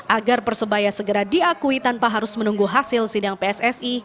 agar persebaya segera diakui tanpa harus menunggu hasil sidang pssi